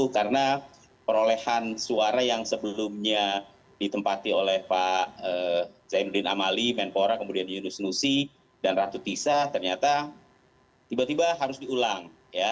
karena perolehan suara yang sebelumnya ditempati oleh pak zainuddin amali menpora kemudian yunus nusi dan ratu tisa ternyata tiba tiba harus diulang